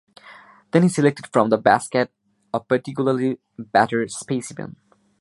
Then he selected from the basket a particularly battered specimen.